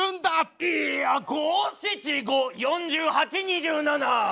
いや五・七・五・四十八・二十七！